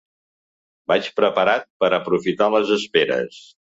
Vaig preparat per aprofitar les esperes.